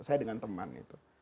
saya dengan teman itu